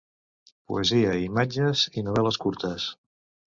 Posseïa imatges i novel·les curtes.